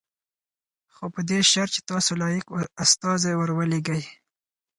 خو په دې شرط چې تاسو لایق استازی ور ولېږئ.